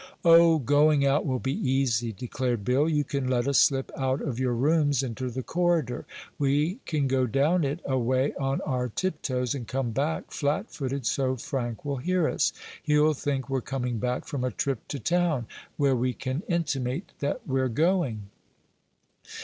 "Oh, going out will be easy," declared Bill. "You can let us slip out of your rooms into the corridor. We can go down it a way on our tiptoes and come back flat footed so Frank will hear us. He'll think we're coming back from a trip to town, where we can intimate that we're going."